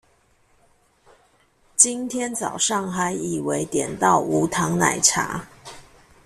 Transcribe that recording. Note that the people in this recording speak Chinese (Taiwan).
今天早上還以為點到無糖奶茶